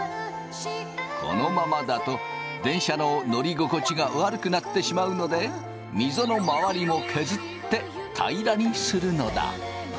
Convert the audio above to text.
このままだと電車の乗り心地が悪くなってしまうのでミゾの周りも削って平らにするのだ。